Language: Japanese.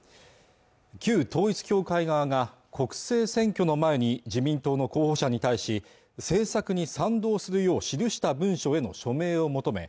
旧統一教会側が国政選挙の前に自民党の候補者に対し政策に賛同するよう記した文書への署名を求め